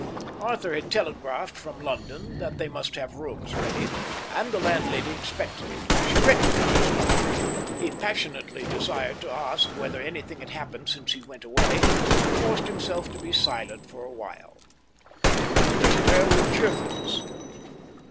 Arthur had telegraphed from London that they must have rooms ready, and the landlady expected them. She recognized Arthur. He passionately desired to ask her whether anything had happened since he went away, but forced himself to be silent for a while. He greeted her with cheerfulness.